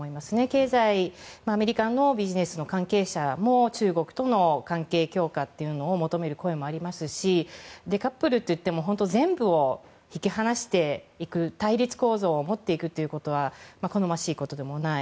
経済アメリカのビジネスの関係者も中国との関係強化を求める声もありますしデカップリングといっても全部を引き離していく対立構造を持っていくということは好ましいことでもない。